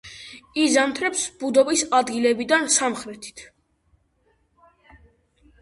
იზამთრებს ბუდობის ადგილებიდან სამხრეთით.